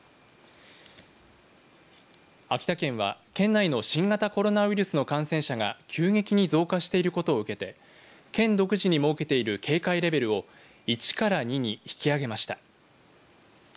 秋田県は県内の新型コロナウイルスの感染者が急激に増加していることを受けて県独自に設けている警戒レベルを１から２に引き上げました。